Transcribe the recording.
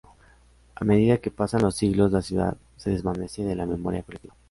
A medida que pasan los siglos, la ciudad se desvanece de la memoria colectiva.